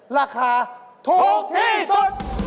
ราคาถูกที่สุด